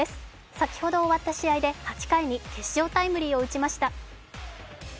先ほど終わった試合で８回に決勝タイムリーを打ちました。